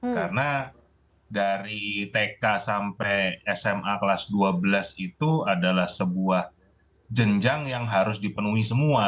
karena dari tk sampai sma kelas dua belas itu adalah sebuah jenjang yang harus dipenuhi semua